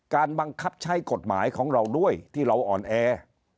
บังคับใช้กฎหมายของเราด้วยที่เราอ่อนแอ